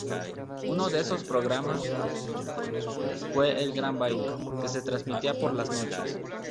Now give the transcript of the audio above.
Uno de esos programa fue "El gran baile" que se transmitía por las noches.